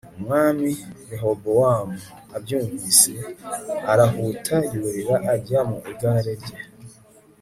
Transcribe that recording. umwami rehobowamu abyumvise, arahuta yurira ajya mu igare rye